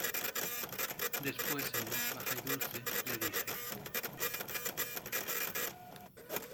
después en voz baja y dulce, le dije: